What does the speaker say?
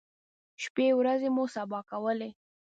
شپی ورځې مو سبا کولې.